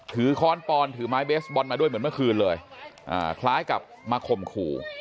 ค้อนปอนถือไม้เบสบอลมาด้วยเหมือนเมื่อคืนเลยคล้ายกับมาข่มขู่